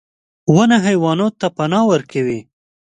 • ونه حیواناتو ته پناه ورکوي.